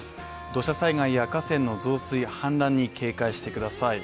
土砂災害や河川の増水・氾濫に警戒してください。